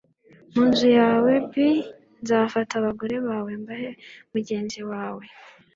mu nzu yawe b nzafata abagore bawe mbahe mugenzi wawe